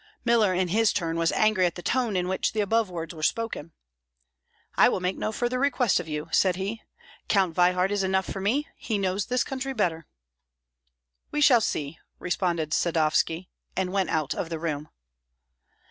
Miller in his turn was angry at the tone in which the above words were spoken. "I will make no further request of you," said he; "Count Veyhard is enough for me, he knows this country better." "We shall see!" responded Sadovski, and went out of the room.